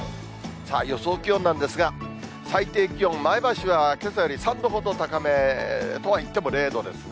さあ、予想気温なんですが、最低気温、前橋はけさより３度ほど高めとはいっても０度ですね。